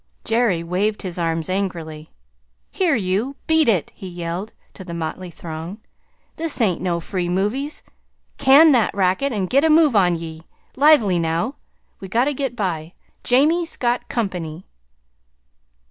Jerry waved his arms angrily. "Here, you, beat it!" he yelled to the motley throng. "This ain't no free movies! CAN that racket and get a move on ye. Lively, now! We gotta get by. Jamie's got comp'ny."